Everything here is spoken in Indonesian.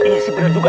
iya sih bener juga